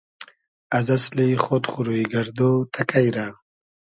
از اسلی خۉد خو روی گئردۉ تئکݷ رۂ؟